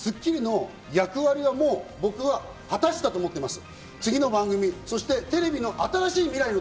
『スッキリ』の役割は、もう僕は果たしたと思ってます。